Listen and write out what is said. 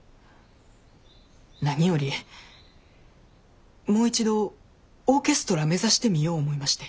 何よりもう一度オーケストラ目指してみよう思いまして。